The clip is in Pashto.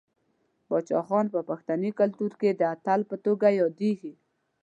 باچا خان په پښتني کلتور کې د اتل په توګه یادیږي.